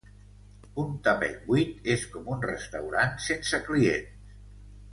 Un tapet buit és com un restaurant sense clients.